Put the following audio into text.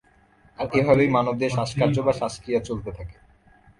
আর এভাবেই মানবদেহে শ্বাসকার্য বা শ্বাসক্রিয়া চলতে থাকে।